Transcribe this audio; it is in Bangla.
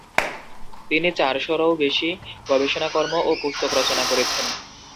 তিনি চারশ'রও বেশি গবেষণা কর্ম ও পুস্তক রচনা করেছেন।